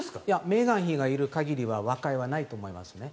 メーガン妃がいる限りは和解はないと思いますね。